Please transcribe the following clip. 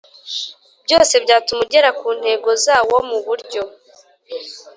byose byatuma ugera ku ntego zawo mu buryo